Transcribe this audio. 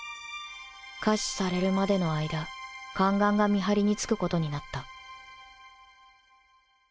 下賜されるまでの間宦官が見張りにつくことになった